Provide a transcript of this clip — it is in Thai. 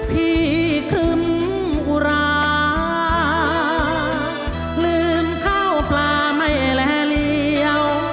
พี่ขึ้นอุราลืมเข้าปลาไม่และเลี่ยว